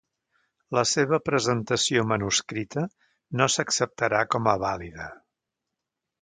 La seva presentació manuscrita no s'acceptarà com a vàlida.